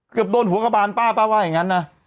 เกือบโดนหัวกระบานป้าป้าว่าอย่างนั้นนะ